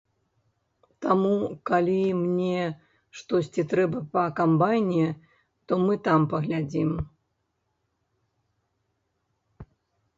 Таму, калі мне штосьці трэба па камбайне, то мы там паглядзім.